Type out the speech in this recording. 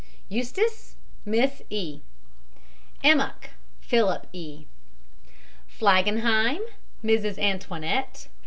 EUSTIS, MISS E. EMMOCK, PHILIP E. FLAGENHEIM, MRS. ANTOINETTE.